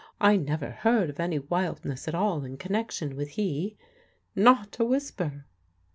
I never heard of any wildness at all in connection with he not a whisper."